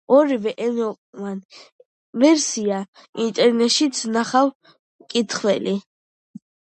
ორივე ენოვან ვერსიას ინტერნეტშიც ნახავს მკითხველი.